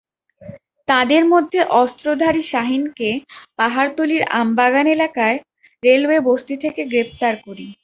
তাঁদের মধ্যে অস্ত্রধারী শাহীনকে পাহাড়তলীর আমবাগান এলাকার রেলওয়ে বস্তি থেকে গ্রেপ্তার করি।